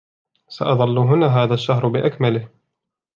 سأظل هنا هذا الشهر بأكمله.